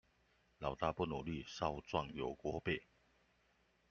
老大不努力，少壯有鍋背